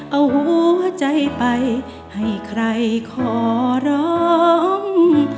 เอาหัวใจไปให้ใครขอร้อง